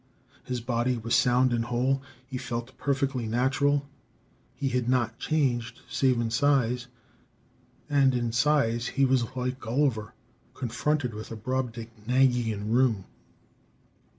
His body was sound and whole; he felt perfectly natural; he had not changed, save in size; and in size he was like Gulliver, confronted with a Brobdingnagian room!